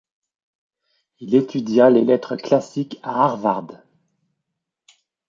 Il étudia les lettres classiques à Harvard.